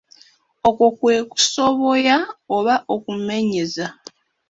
Okwo kwe kusoboya oba okumenyeza.